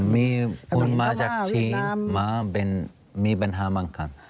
มีคุณมาจากที่มีปัญหาบางครรณ์